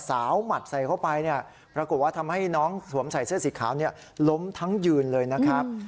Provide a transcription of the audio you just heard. หมัดใส่เข้าไปเนี่ยปรากฏว่าทำให้น้องสวมใส่เสื้อสีขาวเนี่ยล้มทั้งยืนเลยนะครับ